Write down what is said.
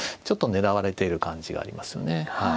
ちょっと狙われている感じがありますよね。